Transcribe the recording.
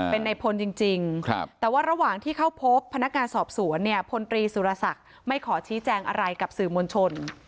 เป็นในพลจริงแต่ว่าระหว่างที่เข้าพบพนักงานสอบสวนเนี่ยพลตรีสุรศักดิ์ไม่ขอชี้แจงอะไรกับสื่อมวลชน